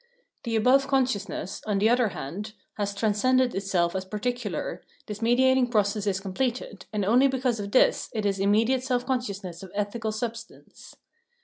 The above consciousness, on the other hand, has transcended itself as particular, this mediating process is completed, and only because of this, is it immediate self consciousness of ethical substance.